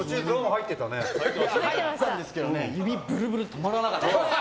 入っていたんですけど指ブルブル、止まらなくて。